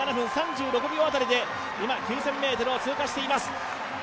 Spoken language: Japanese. ２７分３６秒辺りで９０００ｍを通過しています。